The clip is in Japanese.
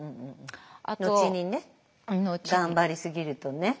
後にね頑張り過ぎるとね。